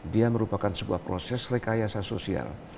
dia merupakan sebuah proses rekayasa sosial